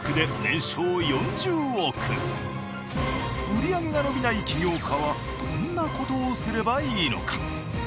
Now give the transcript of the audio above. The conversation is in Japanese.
売り上げが伸びない起業家はどんな事をすればいいのか？